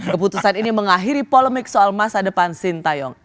keputusan ini mengakhiri polemik soal masa depan sintayong